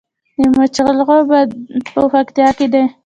د مچالغو بند په پکتیا کې دی